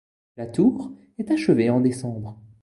La tour est achevée en décembre.